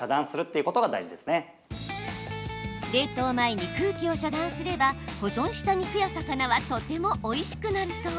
冷凍前に空気を遮断すれば保存した肉や魚はとてもおいしくなるそう。